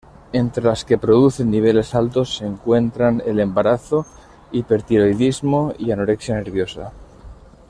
Entre las que producen niveles altos se encuentran el embarazo, hipertiroidismo y anorexia nerviosa.